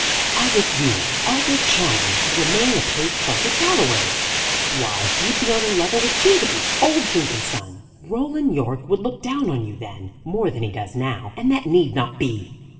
"As if you, Arthur Channing, could remain a paid clerk at Galloway's! Why, you'd be on a level with Jenkins old Jenkins's son. Roland Yorke would look down on you then; more than he does now. And that need not be!"